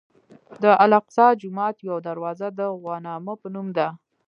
د الاقصی جومات یوه دروازه د غوانمه په نوم ده.